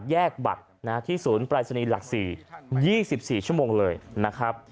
แยกบัตรนะฮะที่ศูนย์ปรายศนีร์หลักสี่ยี่สิบสี่ชั่วโมงเลยนะครับ